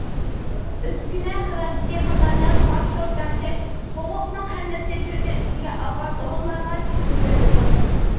ئۈسكۈنە خىراجىتى قاتارلىق خام چوت تەڭشەش ھوقۇقىنىڭ ھەممىسى تۈرنى ئۈستىگە ئالغان ئورۇنلارغا چۈشۈرۈپ بېرىلىدۇ.